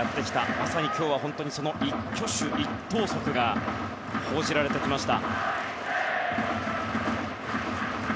まさに今日はその一挙手一投足が報じられてきました。